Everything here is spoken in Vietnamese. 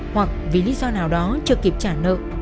hoặc vì lý do nào đó chưa kịp trả nợ